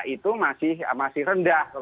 itu masih rendah